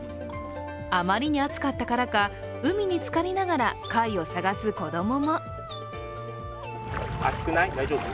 あまりに暑かったからか、海に浸かりながら貝を探す子供も。